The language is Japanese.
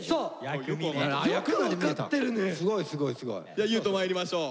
じゃあ優斗まいりましょう。